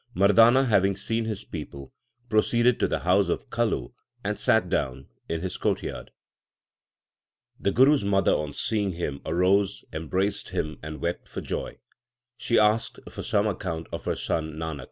Mardana, having seen his people, proceeded to the house of Kalu, and sat down in his courtyard. The Guru s mother, on 96 THE SIKH RELIGION seeing him, arose, embraced him, and wept for joy. She asked for some account of her son Nanak.